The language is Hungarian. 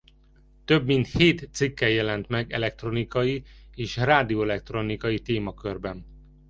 Több mint hét cikke jelent meg elektronikai és rádióelektronikai témakörben.